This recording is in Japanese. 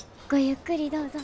ゆっくりどうぞ。